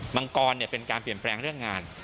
มังกรเป็นการเปลี่ยนแปลงเรื่องงาน